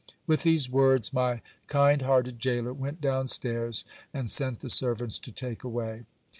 With these words, my kind hearted gaoler went down stairs, and sent the servants to take away.